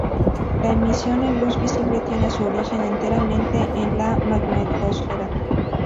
La emisión en luz visible tiene su origen enteramente en la magnetosfera.